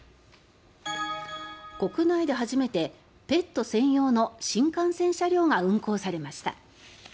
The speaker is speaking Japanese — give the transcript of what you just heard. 国内で初めてペット専用の新幹線車両が運行されました。